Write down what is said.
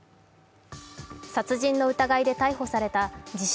殺人の疑いで逮捕された、自称